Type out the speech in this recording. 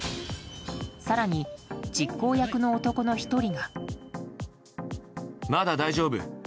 更に、実行役の男の１人が。